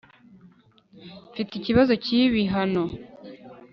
mfite ikibazo kibi hano